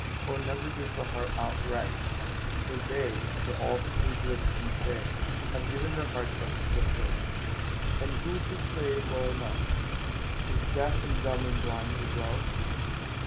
O never give the heart outright, For they, for all smooth lips can say, Have given their hearts up to the play. And who could play it well enoughIf deaf and dumb and blind with love?